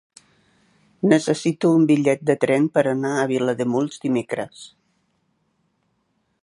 Necessito un bitllet de tren per anar a Vilademuls dimecres.